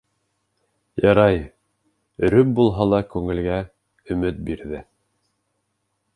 Ярай, өрөп булһа ла күңелгә өмөт бирҙе.